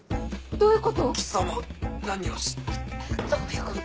どういうこと？